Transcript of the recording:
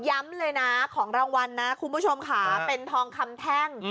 ย้ำเลยนะของรางวัลนะคุณผู้ชมค่ะเป็นทองคำแท่ง